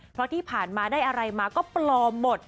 เพราะที่ผ่านมาได้อะไรมาก็ปลอมหมด